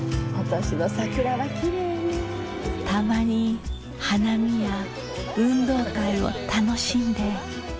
（たまに花見や運動会を楽しんで）